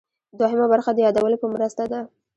دوهمه برخه د یادولو په مرسته ده.